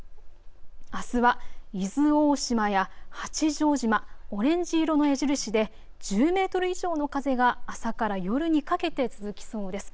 あすは伊豆大島や八丈島、オレンジ色の矢印で１０メートル以上の風が朝から夜にかけて続きそうです。